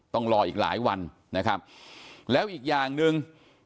ต้องรออีกหลายวันนะครับแล้วอีกอย่างหนึ่ง